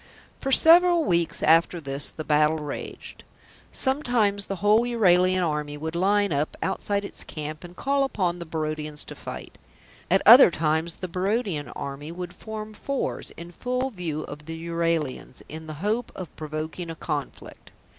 ... For several weeks after this the battle raged. Sometimes the whole Euralian army would line up outside its camp and call upon the Barodians to fight; at other times the Barodian army would form fours in full view of the Euralians in the hope of provoking a conflict.